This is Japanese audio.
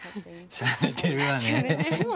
しゃれてるわね。